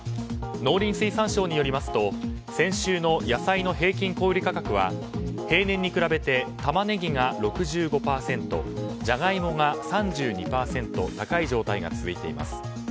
農林水産省によりますと先週の野菜の平均小売価格は平年に比べてタマネギが６５％ジャガイモが３２％高い状態が続いています。